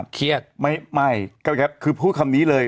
คือพูดคำนี้เลย